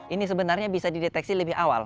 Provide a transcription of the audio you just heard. ini sebenarnya bisa dideteksi lebih awal